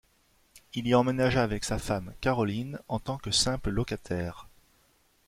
Il y emménagea avec sa femme, Caroline, en tant que simple locataire.